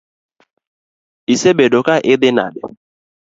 Isebedo ka idhi nade?